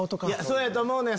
そうやと思うねん